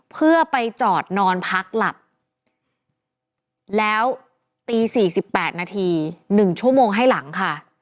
เพื่อไปจอดนอนพักหลับแล้วตีสี่สิบแปดนาทีหนึ่งชั่วโมงให้หลังค่ะ